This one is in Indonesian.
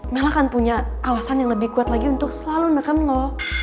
mela kan punya alasan yang lebih kuat lagi untuk selalu neken lo